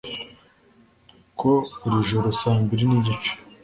ko buri joro saa mbiri n'igice